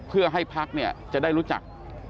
เพื่อให้พักเนี่ยจะได้รู้จัก